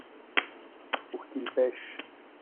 Pour qu’ils pêchent.